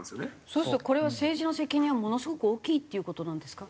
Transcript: そうするとこれは政治の責任はものすごく大きいっていう事なんですか？